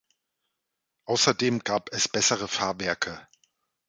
Außerdem gab es bessere Fahrwerke.